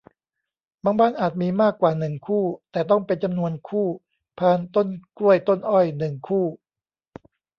บางบ้านอาจมีมากกว่า หนึ่ง คู่ แต่ต้องเป็นจำนวนคู่ พานต้นกล้วยต้นอ้อย หนึ่ง คู่